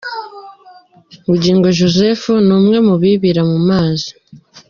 Bugingo Joseph, ni umwe mu bibira mu mazi.